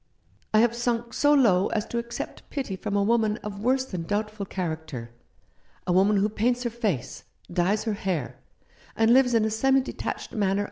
I have sunk so low as to accept pity from a woman of worse than doubtful character — a woman who paints her face, dyes her hair, and lives in a semi detached manner 19 Rough Justice.